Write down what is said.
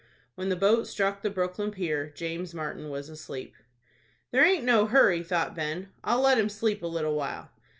When the boat struck the Brooklyn pier, James Martin was asleep. "There aint no hurry," thought Ben; "I'll let him sleep a little while."